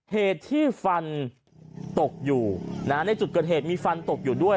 เหตุที่ฟันตกอยู่ในจุดเกิดเหตุมีฟันตกอยู่ด้วย